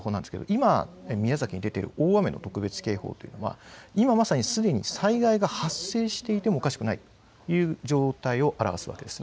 今、宮崎に出ている大雨の特別警報というのは今まさにすでに災害が発生していてもおかしくないという状態を表すわけです。